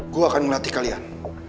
gua akan ngelatih kalian